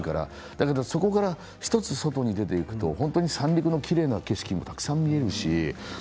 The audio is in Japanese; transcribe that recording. だけど、そこから１つ外に出ていくと本当に三陸のきれいな景色もたくさん見られるし。